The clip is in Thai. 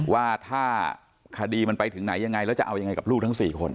ว่าถ้าคดีมันไปถึงไหนยังไงแล้วจะเอายังไงกับลูกทั้ง๔คน